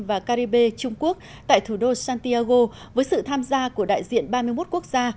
và caribe trung quốc tại thủ đô santiago với sự tham gia của đại diện ba mươi một quốc gia